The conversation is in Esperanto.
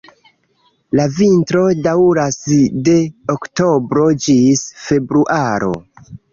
La vintro daŭras de oktobro ĝis februaro.